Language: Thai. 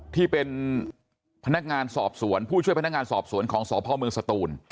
ที่เป็นพนักงานสอบสวนผู้ช่วยพนักงานสอบสวนของสพเมืองสตูน